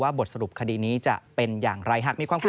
ว่าบทสรุปคดีนี้จะเป็นอย่างไร